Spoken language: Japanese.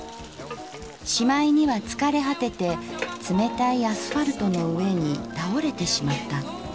しまいには疲れ果てて冷たいアスファルトの上に倒れてしまった。